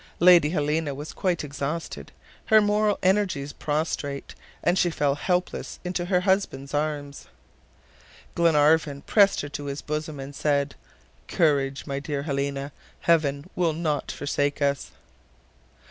Lady Helena was quite exhausted, her moral energies prostrate, and she fell helpless into her husband's arms. Glenarvan pressed her to his bosom and said: "Courage, my dear Helena; Heaven will not forsake us!"